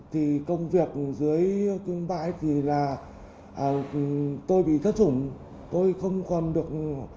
thì công việc dưới bãi thì là tôi bị thất trủng tôi không còn được